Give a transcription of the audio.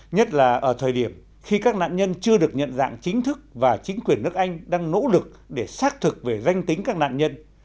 nhất là ở thời điểm khi các nạn nhân chưa được nhận dạng chính thức và chính quyền nước anh đang nỗ lực để xác thực về danh tính các nạn nhân